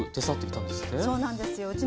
そうなんですよ。